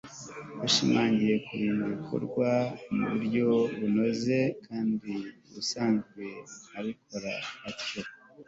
Ashimangira ku bintu bikorwa mu buryo bunoze kandi ubusanzwe abikora atyo